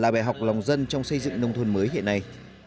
lực là bài học lòng dân trong xây dựng nông thuần mới hiện nay